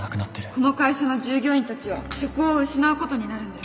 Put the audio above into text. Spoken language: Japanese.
この会社の従業員たちは職を失うことになるんだよ